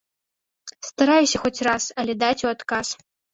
Стараюся хоць раз, але даць у адказ.